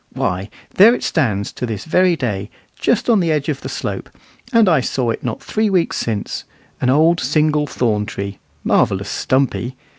Why, there it stands to this very day, just on the edge of the slope, and I saw it not three weeks since an old single thorn tree, "marvellous stumpy."